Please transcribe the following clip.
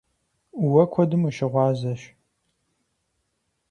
Уэ куэдым ущыгъуазэщ.